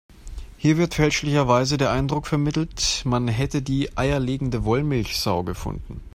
Hier wird fälschlicherweise der Eindruck vermittelt, man hätte die eierlegende Wollmilchsau gefunden.